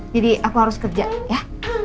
jadi aku harus kerja ya